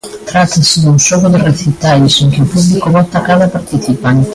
Trátase dun xogo de recitais en que o público vota a cada participante.